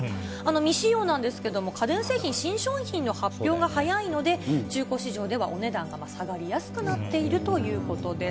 未使用なんですけど、家電製品、新商品の発表が早いので、中古市場ではお値段が下がりやすくなっているということです。